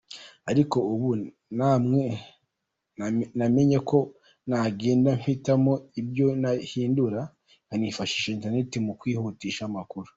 Ariko ubu namenye uko nagenda mpitamo ibyo nahindura, nkanifashisha internet mu kwihutisha amakuru.